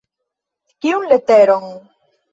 Kiun leteron?